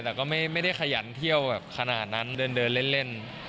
แต่ก็ไม่ได้ขยันเที่ยวแบบขนาดนั้นเดินเล่น